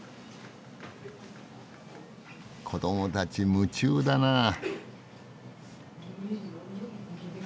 子どもたち夢中だなあ。